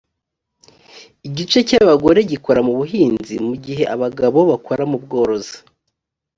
igice cy’abagore gikora mu buhinzi mu gihe abagabo bakora mu bworozi